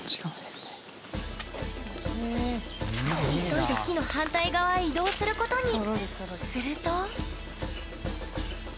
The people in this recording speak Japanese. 急いで木の反対側へ移動することに。